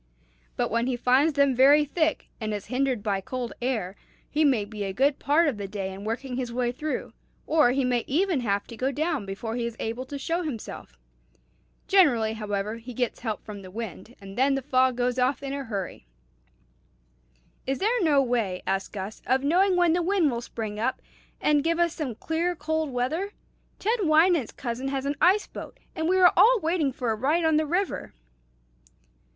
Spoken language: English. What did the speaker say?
But when he finds them very thick, and is hindered by cold air, he may be a good part of the day in working his way through, or he may even have to go down before he is able to show himself. Generally, however, he gets help from the wind, and then the fog goes off in a hurry." "Is there no way," asked Gus, "of knowing when the wind will spring up, and give us some clear cold weather? Ted Wynant's cousin has an ice boat, and we are all waiting for a ride on the river."